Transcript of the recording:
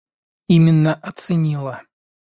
Именно оценила.